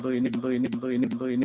tentu ini tentu ini tentu ini